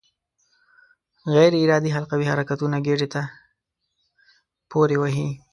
غیر ارادي حلقوي حرکتونه ګېډې ته پورې وهي.